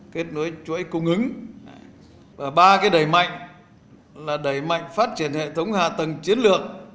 kết nối chuỗi cung ứng và ba đẩy mạnh là đẩy mạnh phát triển hệ thống hạ tầng chiến lược